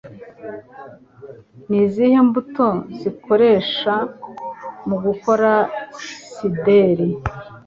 Ni izihe mbuto zikoreshwa mu gukora cider?